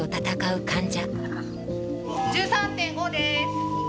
１３．５です。